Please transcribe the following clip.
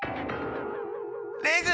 レグ！